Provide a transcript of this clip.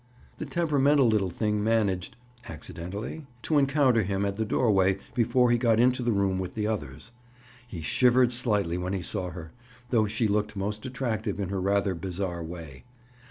The temperamental little thing managed accidentally (?) to encounter him at the doorway before he got into the room with the others. He shivered slightly when he saw her, though she looked most attractive in her rather bizarre way.